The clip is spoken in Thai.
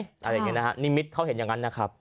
อะไรอย่างนี้นะฮะนิมิตเขาเห็นอย่างนั้นนะครับ